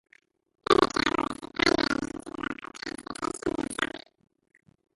River travel is the primary means of local transportation in the summer.